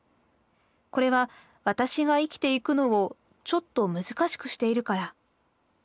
これはわたしが生きていくのをちょっと難しくしているから。